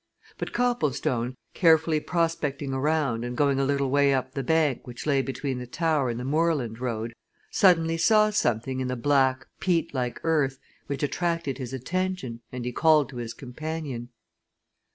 But Copplestone, carefully prospecting around and going a little way up the bank which lay between the tower and the moorland road, suddenly saw something in the black, peat like earth which attracted his attention and he called to his companion.